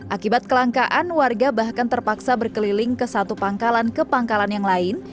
akibat kelangkaan warga bahkan terpaksa berkeliling ke satu pangkalan ke pangkalan yang lain